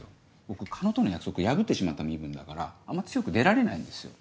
僕狩野との約束破ってしまった身分だからあんま強く出られないんですよ。